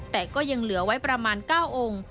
แต่ก็ยังเหลือไว้ประมาณ๙องค์